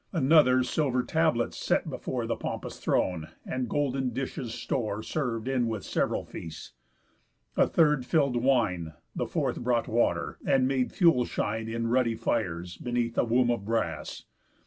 Another silver tables set before The pompous throne, and golden dishes' store Serv'd in with sev'ral feast. A third fill'd wine. The fourth brought water, and made fuel shine In ruddy fires beneath a womb of brass.